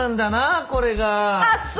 あっそう。